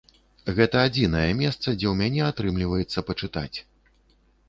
Гэта адзінае месца, дзе ў мяне атрымліваецца пачытаць.